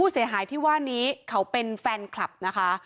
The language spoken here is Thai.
เสียหายที่ว่านี้เขาเป็นแฟนคลับนะคะ